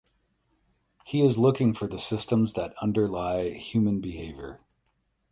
He is looking for the systems that underlay human behavior.